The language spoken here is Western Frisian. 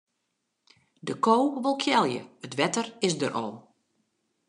De ko wol kealje, it wetter is der al.